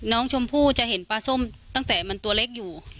น้องชมพู่จะเห็นปลาส้มตั้งแต่มันตัวเล็กอยู่